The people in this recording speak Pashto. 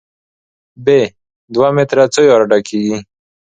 ب: دوه متره څو یارډه کېږي؟